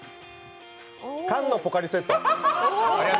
缶のポカリスエット。